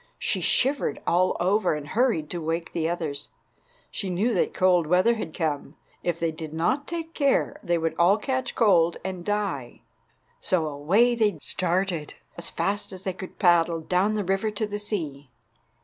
She shivered all over, and hurried to wake the others. She knew that cold weather had come. If they did not take care they would all catch cold and die. So away they started, as fast as they could paddle, down the river to the sea.